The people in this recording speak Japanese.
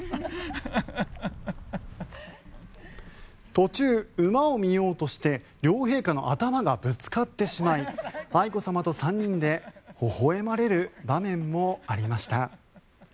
途中、馬を見ようとして両陛下の頭がぶつかってしまい愛子さまと３人でほほ笑まれる場面もありました。